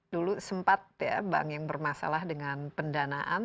dulu sempat ya bank yang bermasalah dengan pendanaan